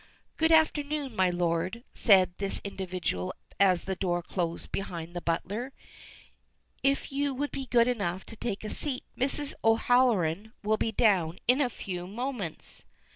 "Good afternoon, my lord," said this individual as the door closed behind the butler. "If you will be good enough to take a seat, Mrs. O'Halloran will be down in a few moments."